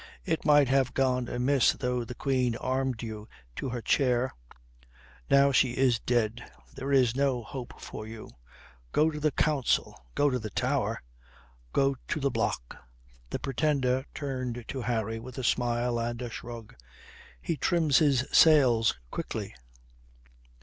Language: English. It might have gone amiss though the Queen armed you to her chair. Now she is dead, there is no hope for you. Go to the Council! Go to the Tower go to the block." The Pretender turned to Harry with a smile and a shrug. "He trims his sails quickly."